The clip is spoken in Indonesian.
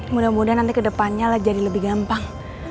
mudah mudahan nanti kedepannya lah jadi lebih gampang